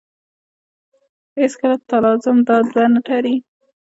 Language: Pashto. هېڅکله تلازم دا دوه نه تړي.